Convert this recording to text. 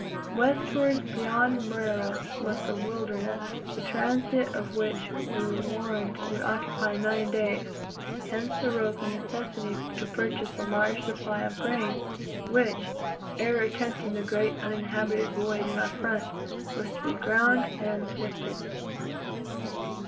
Westward, beyond Mrera, was a wilderness, the transit of which we were warned would occupy nine days hence arose the necessity to purchase a large supply of grain, which, ere attempting the great uninhabited void in our front, was to be ground and sifted.